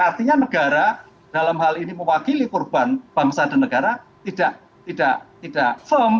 artinya negara dalam hal ini mewakili kurban bangsa dan negara tidak firm